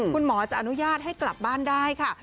คุณหมอจะอนุญาตให้กลับบ้านได้ค่ะ